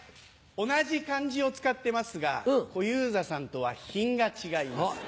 同じ漢字を使ってますが小遊三さんとは品が違います。